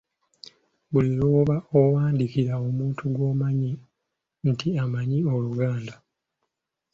Buli lw'oba owandiikira omuntu gw'omanyi nti amanyi Oluganda.